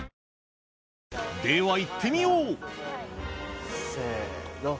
ではいってみようせの。